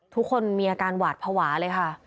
ทุกคนมีอาการหวาดภาวะเลยค่ะ